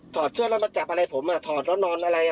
ถอดเสื้อแล้วมาจับอะไรผมอ่ะถอดรถนอนอะไรอ่ะ